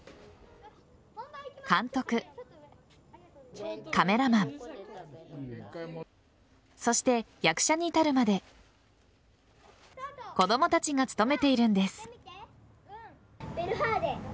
監督カメラマンそして役者に至るまで子供たちが務めているんです。